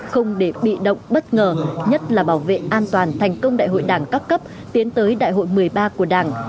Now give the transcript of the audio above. không để bị động bất ngờ nhất là bảo vệ an toàn thành công đại hội đảng các cấp tiến tới đại hội một mươi ba của đảng